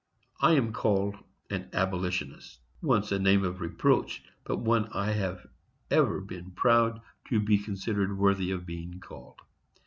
I am called an Abolitionist; once a name of reproach, but one I have ever been proud to be considered worthy of being called.